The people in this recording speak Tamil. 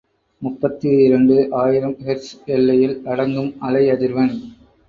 முப்பது இரண்டு ஆயிரம் ஹெர்ட்ஸ் எல்லையில் அடங்கும் அலைஅதிர்வெண்.